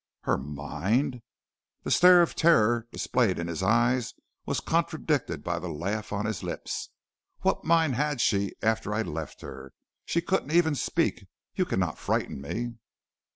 "'Her mind?' The stare of terror and dismay in his eyes was contradicted by the laugh on his lips. 'What mind had she after I left her? She couldn't even speak. You cannot frighten me.'